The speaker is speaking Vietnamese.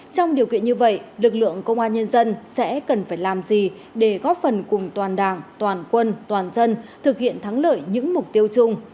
trong điều kiện như vậy lực lượng công an nhân dân sẽ cần phải làm gì để góp phần cùng toàn đảng toàn quân toàn dân thực hiện thắng lợi những mục tiêu chung